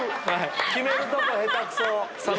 決めるとこ下手くそ。